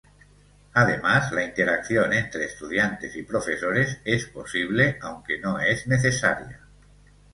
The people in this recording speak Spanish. Además la interacción entre estudiantes y profesores es posible aunque no es necesaria.